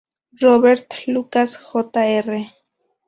Robert Lucas, Jr.